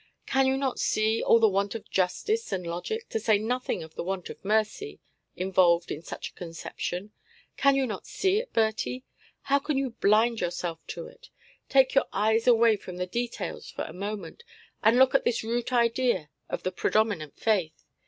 Can you not see all the want of justice and logic, to say nothing of the want of mercy, involved in such a conception? Can you not see it, Bertie? How can you blind yourself to it! Take your eyes away from the details for a moment, and look at this root idea of the predominant Faith.